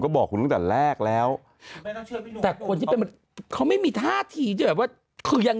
ก็ถามชั้นเนี่ยใครอีกว่ะไม่เป็น